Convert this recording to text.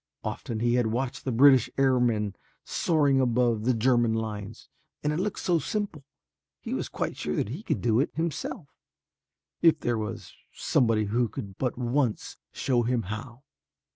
Often had he watched the British air men soaring above the German lines and it looked so simple he was quite sure that he could do it himself if there was somebody who could but once show him how.